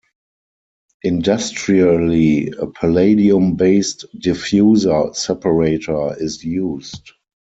Industrially a palladium-based diffuser separator is used.